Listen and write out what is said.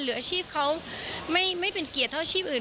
หรืออาชีพเขาไม่เป็นเกียรติเท่าชีพอื่น